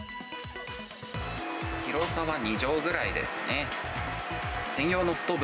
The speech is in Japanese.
広さは２畳ぐらいですね。